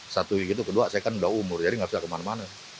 satu gitu kedua saya kan udah umur jadi nggak usah kemana mana